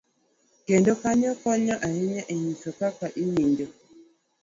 kendo, kanyo konyo ahinya e nyiso kaka iwinjo